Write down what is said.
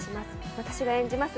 私が演じます